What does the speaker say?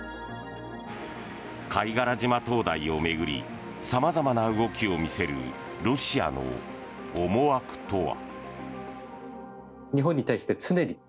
貝殻島灯台を巡り様々な動きを見せるロシアの思惑とは。